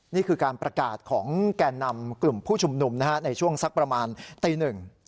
นี่คือการประกาศของแก่นำกลุ่มผู้ชุมนุมนะฮะในช่วงสักประมาณตีหนึ่ง